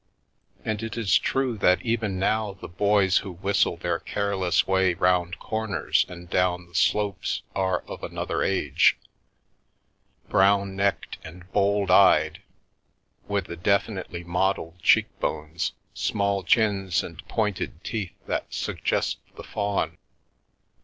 And it is true that even now the boys who whistle their careless way round corners and down the slopes are of another age — brown necked and bold eyed, with the definitely modelled cheekbones, small chins and pointed teeth that suggest the faun.